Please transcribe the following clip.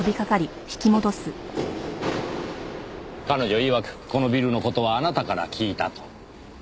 彼女いわくこのビルの事はあなたから聞いたと。